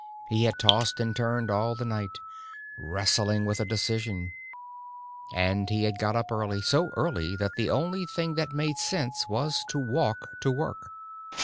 He had tossed and turned all the night, wrestling with a decision. And he had got up early, so early that the only thing that made sense was to walk to work.